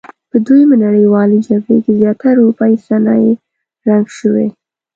په دویمې نړیوالې جګړې کې زیاتره اورپایي صنایع رنګ شوي.